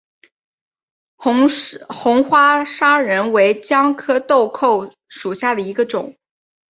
红花砂仁为姜科豆蔻属下的一个种。